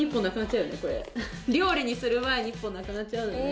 料理にする前に１本なくなっちゃうのよね。